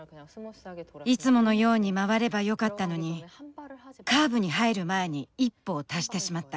いつものように回ればよかったのにカーブに入る前に１歩を足してしまった。